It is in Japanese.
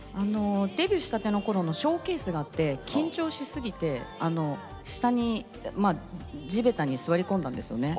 デビューしたころのショーケースがあって緊張しすぎて地べたに座り込んだんですよね